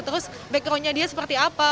terus backgroundnya dia seperti apa